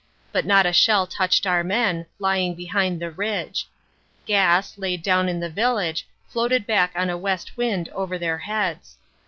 But not a shell touched our men, lying behind the ridge. Gas, laid down in the village, floated back on a west wind over their heads.